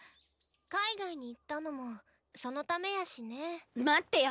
海外に行ったのもそのためやしね。待ってよ！